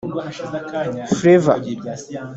Flavour